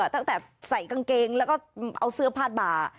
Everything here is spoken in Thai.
ตั้งแต่ใส่กางเกงแล้วก็เอาเสื้อผ้าบ่า